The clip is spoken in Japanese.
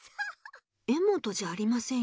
エモトじゃありませんよ